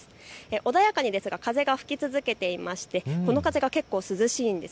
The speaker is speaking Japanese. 穏やかにですが風が吹き続けていましてこの風が結構涼しいんです。